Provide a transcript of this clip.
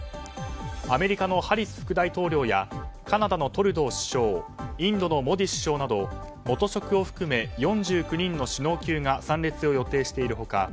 アメリカのハリス副大統領やカナダのトルドー首相インドのモディ首相など元職を含め４９人の首脳級が参列を予定している他